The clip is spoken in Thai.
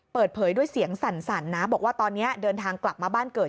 เปิดเผยด้วยเสียงสั่นนะบอกว่าตอนนี้เดินทางกลับมาบ้านเกิด